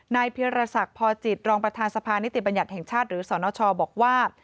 เพียรศักดิ์พอจิตรองประธานสภานิติบัญญัติแห่งชาติหรือสนชบอกว่า